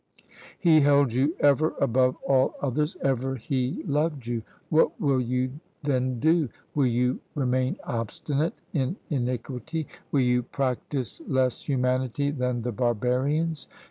He held you ever above all others; ever he loved you! What will you then do? Will you remain obstinate in iniquity? Will you practise less humanity than the barbarians?